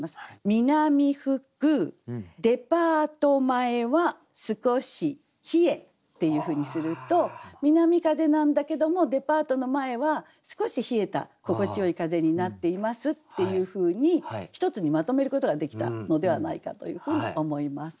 「みなみ吹くデパート前は少し冷え」っていうふうにすると南風なんだけどもデパートの前は少し冷えた心地よい風になっていますっていうふうに一つにまとめることができたのではないかというふうに思います。